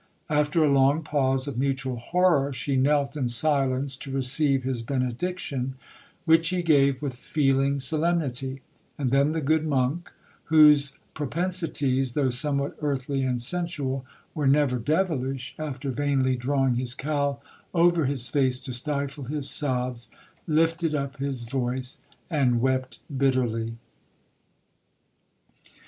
After a long pause of mutual horror, she knelt in silence to receive his benediction, which he gave with feeling solemnity; and then the good monk, whose propensities, though somewhat 'earthly and sensual,' were never 'devilish,' after vainly drawing his cowl over his face to stifle his sobs, lifted up his voice and 'wept bitterly.'